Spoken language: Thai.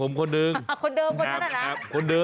มก็ตกใจได้